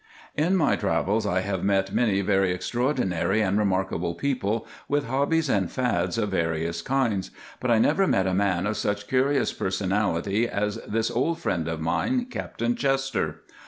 In my travels I have met many very extraordinary and remarkable people with hobbies and fads of various kinds, but I never met a man of such curious personality as this old friend of mine, Captain Chester.